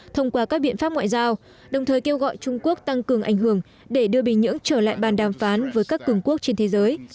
thông qua các biện pháp ngoại giao đồng thời kêu gọi trung quốc tăng cường ảnh hưởng để đưa bình nhưỡng trở lại bàn đàm phán với các cường quốc trên thế giới